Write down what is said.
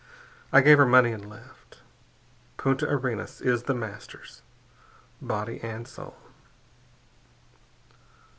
I gave her money and left. Punta Arenas is The Master's, body and soul."